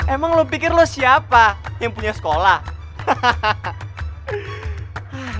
emang lo pikir lo siapa yang punya sekolah hahaha